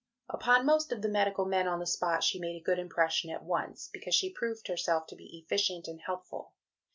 Upon most of the medical men on the spot she made a good impression at once, because she proved herself to be efficient and helpful.